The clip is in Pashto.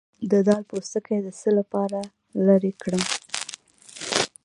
د دال پوستکی د څه لپاره لرې کړم؟